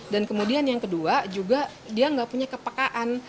dan kemudian yang kedua juga dia nggak punya kepekaan